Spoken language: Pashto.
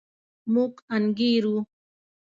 موږ انګېرو.